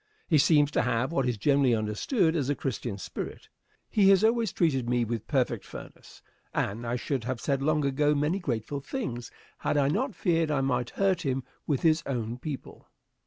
He seems to have what is generally understood as a Christian spirit. He has always treated me with perfect fairness, and I should have said long ago many grateful things, had I not feared I might hurt him with his own people.